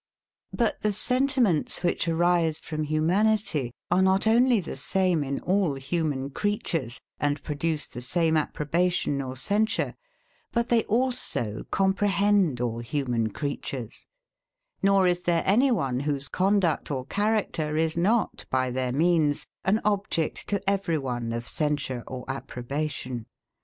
But the sentiments, which arise from humanity, are not only the same in all human creatures, and produce the same approbation or censure; but they also comprehend all human creatures; nor is there any one whose conduct or character is not, by their means, an object to every one of censure or approbation.